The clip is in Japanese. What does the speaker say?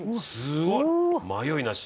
「すごい！迷いなし」